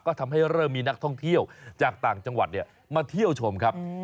ก็ทำให้เริ่มมีนักท่องเที่ยวจากต่างจังหวัดมาเที่ยวชมครับ